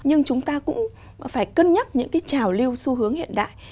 nhưng chúng ta cũng phải cân nhắc những cái trào lưu xu hướng hiện đại